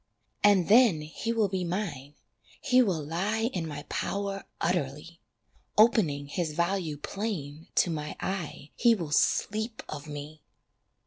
And then he will be mine, he will lie In my power utterly, Opening his value plain to my eye He will sleep of me.